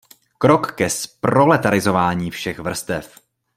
Krok ke zproletarizování všech vrstev.